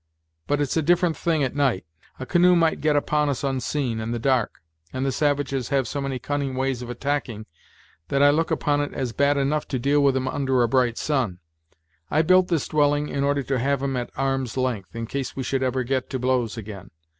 But it's a different thing at night. A canoe might get upon us unseen, in the dark; and the savages have so many cunning ways of attacking, that I look upon it as bad enough to deal with 'em under a bright sun. I built this dwelling in order to have 'em at arm's length, in case we should ever get to blows again.